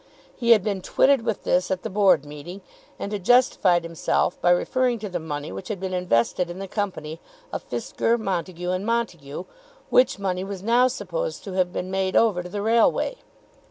He had been twitted with this at the Board meeting, and had justified himself by referring to the money which had been invested in the Company of Fisker, Montague, and Montague, which money was now supposed to have been made over to the railway.